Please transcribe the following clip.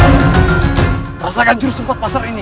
rasakan jurus empat pasar ini